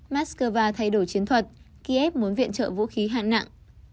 moscow thay đổi chiến thuật kiev muốn viện trợ vũ khí hạng nặng